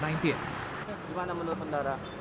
gimana menurut pengendara